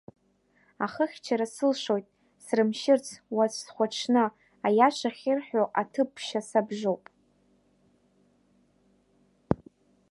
Ахыхьчара сылшоит срымшьырц уаҵә схәаҽны, аиаша ахьырҳәо аҭыԥ ԥшьа сабжоуп.